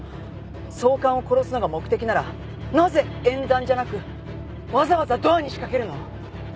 総監を殺すのが目的ならなぜ演壇じゃなくわざわざドアに仕掛けるの？